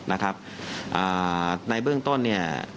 ในเบื้องต้น